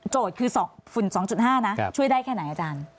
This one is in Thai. คือฝุ่น๒๕นะช่วยได้แค่ไหนอาจารย์